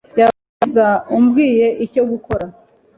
Byaba byiza ubwiye icyo gukora.